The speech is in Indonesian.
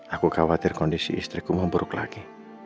aku khawatir kondisi istriku memburuk lagi